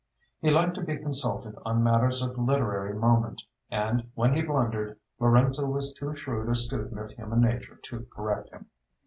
He liked to be consulted on matters of literary moment, and, when he blundered, Lorenzo was too shrewd a student of human nature to correct him.